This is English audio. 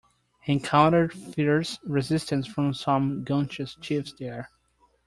He encountered fierce resistance from some Guanches chiefs there.